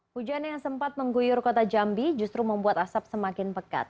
hujan yang sempat mengguyur kota jambi justru membuat asap semakin pekat